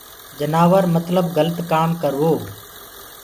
جنآورو متلب گلت ڪآم ڪروو